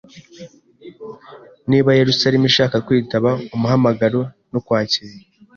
Niba Yerusalemu ishaka kwitaba umuhamagaro no kwakira